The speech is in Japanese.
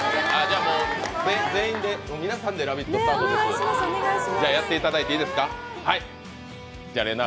全員で皆さんで「ラヴィット！」スタート、やっていただいていいですか？